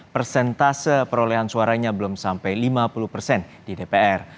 persentase perolehan suaranya belum sampai lima puluh persen di dpr